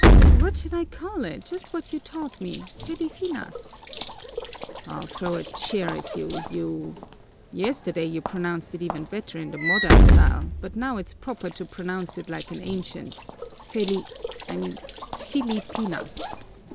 "What should I call it? Just what you taught me: Felifinas!" "I'll throw a chair at you, you ! Yesterday you pronounced it even better in the modern style, but now it's proper to pronounce it like an ancient: Feli, I mean, _Filipinas!